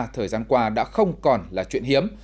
thời gian qua đã không còn là chuyện hiếm